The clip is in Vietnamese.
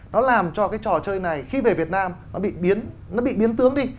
nó làm cho cái trò chơi này khi về việt nam nó bị biến tướng đi